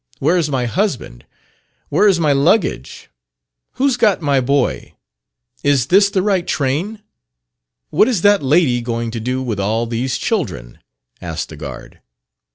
Where is my husband? Where is my luggage? Who's got my boy? Is this the right train?" "What is that lady going to do with all these children?" asked the guard.